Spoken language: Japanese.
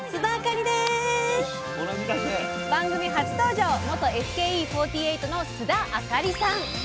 番組初登場元ＳＫＥ４８の須田亜香里さん。